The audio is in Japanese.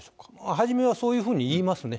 初めはそういうふうに言いますね。